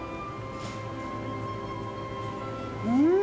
うん。